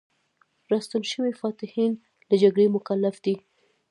راستون شوي فاتحین له جګړې مکلف دي.